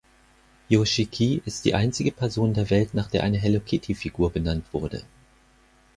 Yoshiki ist die einzige Person der Welt, nach der eine Hello-Kitty-Figur benannt wurde.